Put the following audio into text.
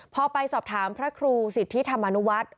พอไปสอบถามพระครูสิทธิธรรมนุวัฒน์